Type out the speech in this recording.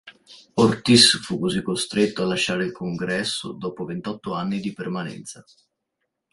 Ortiz fu così costretto a lasciare il Congresso dopo ventotto anni di permanenza.